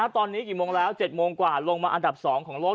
ตอนนี้กี่โมงแล้ว๗โมงกว่าลงมาอันดับ๒ของโลก